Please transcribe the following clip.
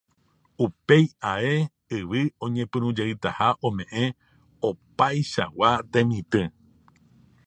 upéi ae yvy oñepyrũjeytaha ome'ẽ opaichagua temitỹ